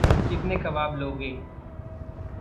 कितने कबाब लोगे?